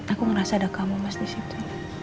aku merasa ada kamu mas di situ